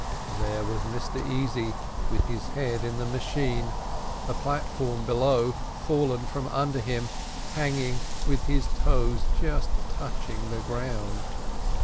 There was Mr Easy, with his head in the machine, the platform below fallen from under him, hanging, with his toes just touching the ground.